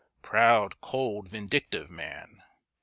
Proud, cold, vindictive man!